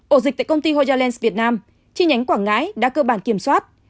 ổ dịch tại công ty hoya lens việt nam chi nhánh quảng ngãi đã cơ bản kiểm soát